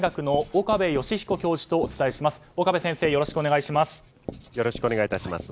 岡部先生、よろしくお願いします。